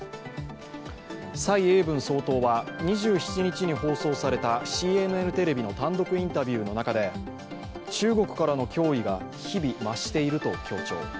蔡英文総統は２７日に放送されたＣＮＮテレビの単独インタビューの中で、中国からの脅威が日々増していると強調。